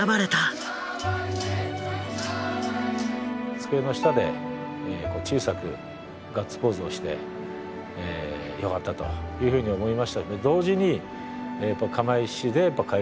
机の下で小さくガッツポーズをしてよかったというふうに思いました。